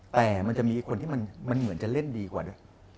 แต่มันจะมีคนที่มันเหมือนจะเล่นดีกว่าด้วย